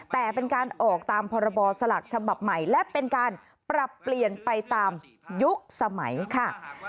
แต่เป็นการออกตามพรบสลักฉบับใหม่และเป็นการปรับเปลี่ยนไปตามยุคสมัยค่ะ